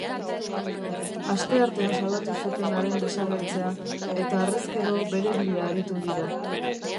Asteartean salatu zuten haren desagertzea eta harrezkero bere bila aritu dira.